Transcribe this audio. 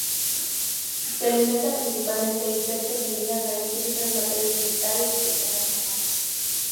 Se alimenta principalmente de insectos, semillas, raíces, y otras materias vegetales y pequeños animales.